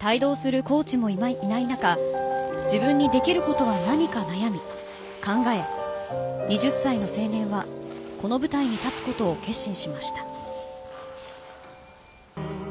帯同するコーチもいない中自分にできることは何か悩み、考え２０歳の青年はこの舞台に立つことを決心しました。